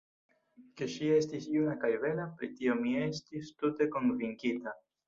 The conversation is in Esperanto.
Ke ŝi estis juna kaj bela, pri tio mi estis tute konvinkita.